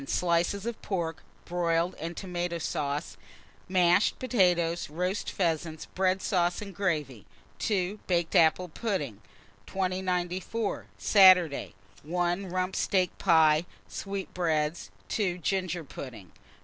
Slices of pork, broiled, and tomata sauce, mashed potatoes; roast pheasants, bread sauce, and gravy. 2. Baked apple pudding. 2094. Saturday. 1. Rump steak pie, sweetbreads. 2. Ginger pudding.